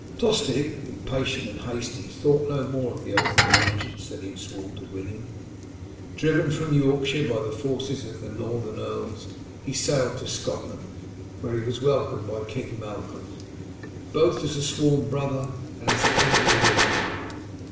Tostig, impatient and hasty, thought no more of the oath of allegiance that he had sworn to William. Driven from Yorkshire by the forces of the northern earls he sailed to Scotland, where he was welcomed by King Malcolm, both as a sworn brother and as the enemy of England.